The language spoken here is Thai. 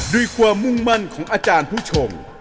ด้วยความมุ่งมั่นของอาจารย์ผู้ชม